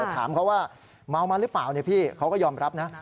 ถามเขาว่าเมามาหรือเปล่าพี่เขาก็ยอมรับนะ